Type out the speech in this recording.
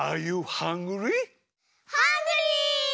ハングリー！